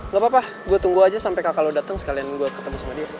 gak apa apa gue tunggu aja sampe kakak lo dateng sekalian gue ketemu sama dia